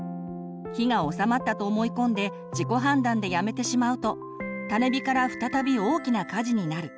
火が収まったと思い込んで自己判断でやめてしまうと種火から再び大きな火事になる。